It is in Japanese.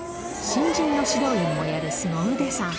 新人の指導員もやるすご腕さん。